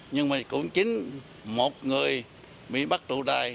nhưng mà cũng chính một người bị bắt tụ đài